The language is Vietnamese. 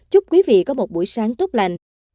chúc quý vị có một buổi sáng tốt lành